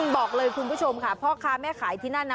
บอกเลยคุณผู้ชมค่ะพ่อค้าแม่ขายที่นั่นนะ